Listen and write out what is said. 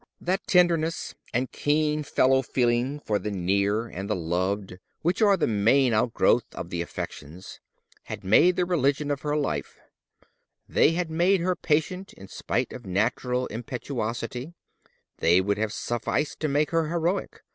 That tenderness and keen fellow feeling for the near and the loved which are the main outgrowth of the affections, had made the religion of her life: they had made her patient in spite of natural impetuosity: they would have sufficed to make her heroic.